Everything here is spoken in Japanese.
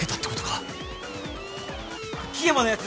秋山のやつ